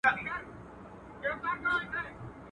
اوله گټه شيطان کړې ده.